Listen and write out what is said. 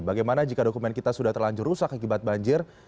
bagaimana jika dokumen kita sudah terlanjur rusak akibat banjir